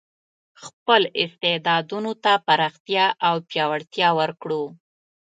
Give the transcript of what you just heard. خپل استعدادونو ته پراختیا او پیاوړتیا ورکړو.